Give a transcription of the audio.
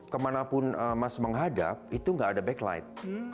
kemanapun mas menghadap itu nggak ada backlight